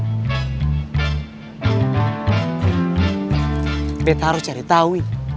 tapi harus cari tahu